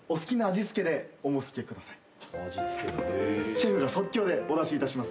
シェフが即興でお出しいたします。